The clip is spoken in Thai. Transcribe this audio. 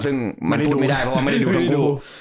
ซึ่งมันพูดไม่ได้เพราะว่าไม่ได้ดูดีอยู่